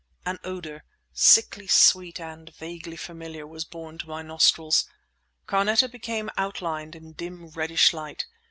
An odour, sickly sweet and vaguely familiar, was borne to my nostrils. Carneta became outlined in dim, reddish light.